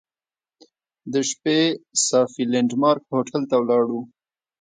د شپې صافي لینډ مارک هوټل ته ولاړو.